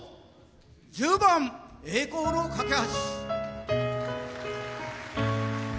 １０番「栄光の架橋」。